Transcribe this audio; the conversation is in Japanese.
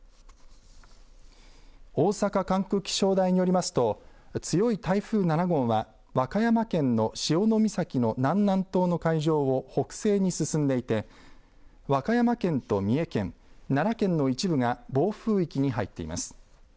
大阪管区気象台によりますと強い台風７号は和歌山県の潮岬の南南東の海上を北西に進んでいて和歌山県と三重県、奈良県の一部が暴風域に入っています。